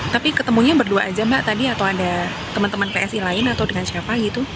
tapi ketemunya berdua aja mbak tadi atau ada teman teman psi lain atau dengan siapa gitu